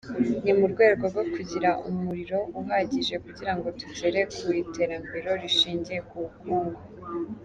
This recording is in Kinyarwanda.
Ni mu rwego rwo kugira umuriro uhagije kugirango tugere ku iterambere rishingiye ku bukungu”.